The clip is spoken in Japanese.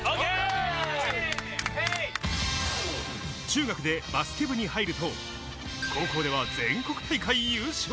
中学でバスケ部に入ると、高校では全国大会優勝。